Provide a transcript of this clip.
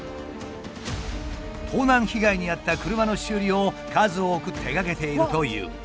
盗難被害に遭った車の修理を数多く手がけているという。